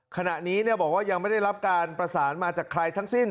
ขณะนี้บอกว่ายังไม่ได้รับการประสานมาจากใครทั้งสิ้น